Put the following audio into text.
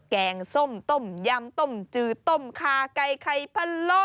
แกงส้มต้มยำต้มจือต้มคาไก่ไข่พะโล